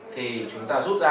thì chúng ta rút ra